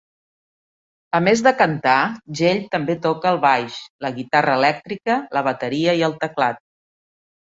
A més de cantar, Jey també toca el baix, la guitarra elèctrica, la bateria i el teclat.